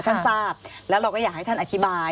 ทราบแล้วเราก็อยากให้ท่านอธิบาย